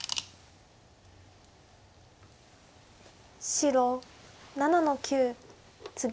白７の九ツギ。